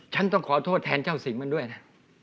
ฉันต้องขอโทษแทนเจ้าสิงห์มันด้วยนะ